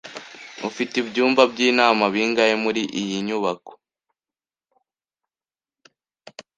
Ufite ibyumba byinama bingahe muriyi nyubako?